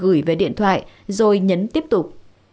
gửi về điện thoại rồi nhấn tiếp tục